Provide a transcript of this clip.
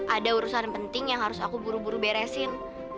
ada urusan penting yang harus aku buru buru beresin